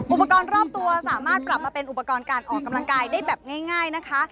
อุปกรณ์รอบตัวสามารถกลับมาเป็นอุปกรณ์การออกกำลังกายได้แบบง่ายนะคะ